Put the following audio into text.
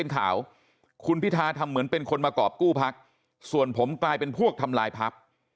เป็นข่าวคุณพิทาทำเหมือนเป็นคนมากรอบกู้พักส่วนผมกลายเป็นพวกทำลายพัก